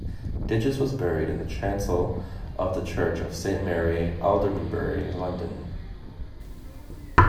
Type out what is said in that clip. Digges was buried in the chancel of the church of Saint Mary Aldermanbury, London.